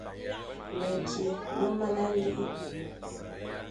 Meki me mana likh.